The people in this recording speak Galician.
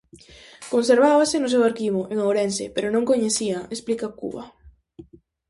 "Conservábase no seu arquivo, en Ourense, pero non coñecía", explica Cuba.